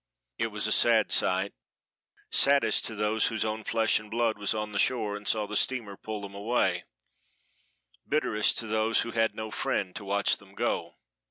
It was a sad sight, saddest to those whose own flesh and blood was on the shore and saw the steamer pull them away; bitterest to those who had no friend to watch them go.